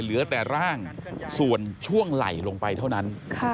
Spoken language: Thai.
เหลือแต่ร่างส่วนช่วงไหล่ลงไปเท่านั้น